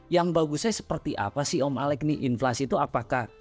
yang bagusnya seperti apa sih om alex nih inflasi itu apakah